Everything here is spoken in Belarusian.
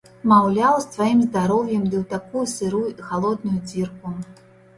Маўляў, з тваім здароўем ды ў такую сырую і халодную дзірку.